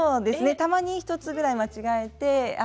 たまに１つぐらい間違えてあ